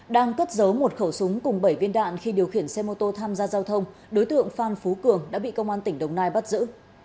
đang cất giấu một khẩu súng cùng bảy viên đạn khi điều khiển xe mô tô tham gia giao thông đối tượng phan phú cường đã bị công an tỉnh đồng nai bắt giữ